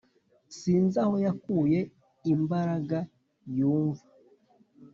sinzaho yakuye imbaraga yumva